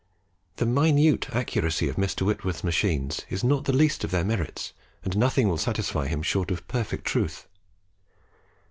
The minute accuracy of Mr. Whitworth's machines is not the least of their merits; and nothing will satisfy him short of perfect truth.